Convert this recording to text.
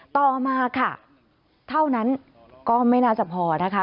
ต่อมาค่ะเท่านั้นก็ไม่น่าจะพอนะคะ